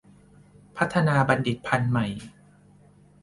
พัฒนาบัณฑิตพันธุ์ใหม่